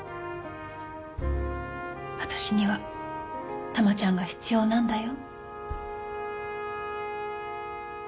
私には珠ちゃんが必要なんだよ。